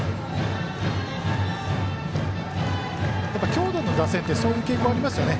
強打の打線ってそういう傾向ありますよね。